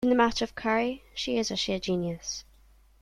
In the matter of curry she is a sheer genius.